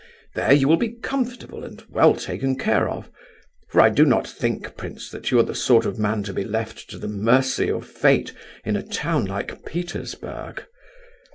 There you will be comfortable and well taken care of; for I do not think, prince, that you are the sort of man to be left to the mercy of Fate in a town like Petersburg.